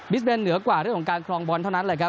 สเบนเหนือกว่าเรื่องของการครองบอลเท่านั้นแหละครับ